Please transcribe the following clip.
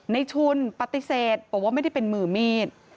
ชุนปฏิเสธบอกว่าไม่ได้เป็นมือมีด